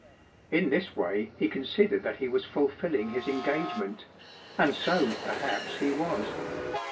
In this way he considered that he was fulfilling his engagement ; and so, perhaps, he was.